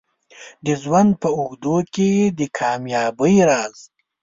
د ژوند په اوږدو کې د کامیابۍ راز